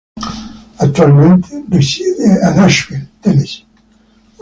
Attualmente risiede a Nashville, Tennessee.